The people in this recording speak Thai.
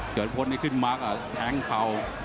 ยอดขุมพลนี้ขึ้นมากแท้งเข่า